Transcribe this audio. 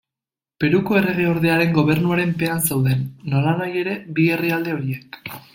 Peruko erregeordearen gobernuaren pean zeuden, nolanahi ere, bi herrialde horiek.